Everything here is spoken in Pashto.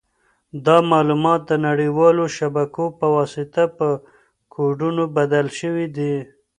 دا معلومات د نړیوالو شبکو په واسطه په کوډونو بدل شوي دي.